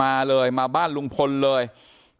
การแก้เคล็ดบางอย่างแค่นั้นเอง